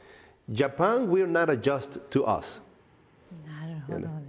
なるほどね。